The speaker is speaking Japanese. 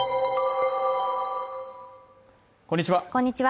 こんにちは